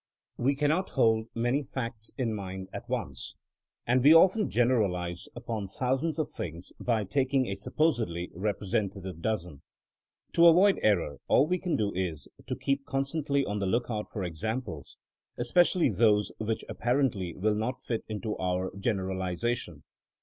We cannot hold many facts in mind at once, and we often generalize upon thousands of things by taking a supposedly representative dozen. To avoid error all we can do is to keep constantly on the lookout for examples, especially those which apparently will not fit into our generaliza tion.